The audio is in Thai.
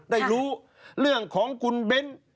ได้รู้เรื่องของคุณเบ้น